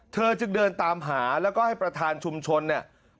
เธอจึงเดินตามหาแล้วก็ให้ประธานชุมชนเนี่ย